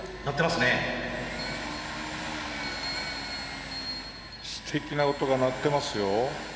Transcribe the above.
すてきな音が鳴ってますよ。